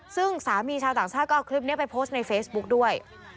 ซึ่งสามีชาวต่างชาติก็เอาคลิปนี้ไปโพสต์ในเฟซบุ๊กด้วย